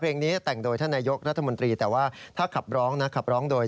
เพลงนี้แต่งโดยท่านนายกรัฐมนตรีแต่ว่าถ้าขับร้องนะขับร้องโดย